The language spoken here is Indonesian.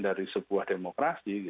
dari sebuah demokrasi